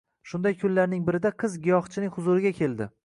Shunday kunlarning birida qiz giyohchining huzuriga keldi